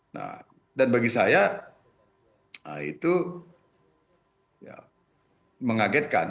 nah dan bagi saya itu ya mengagetkan